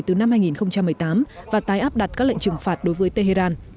từ năm hai nghìn một mươi tám và tái áp đặt các lệnh trừng phạt đối với tehran